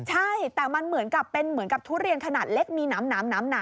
ใช่แต่มันเหมือนกับทุเรียนขนาดเล็กมีหนำหนำหนา